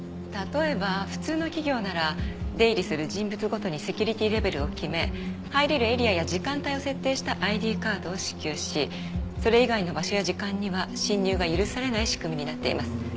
例えば普通の企業なら出入りする人物ごとにセキュリティーレベルを決め入れるエリアや時間帯を設定したＩＤカードを支給しそれ以外の場所や時間には侵入が許されない仕組みになっています。